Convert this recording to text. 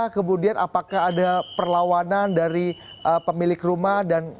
kemudian apakah ada perlawanan dari pemilik rumah